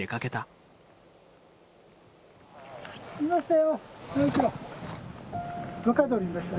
はいいましたよ！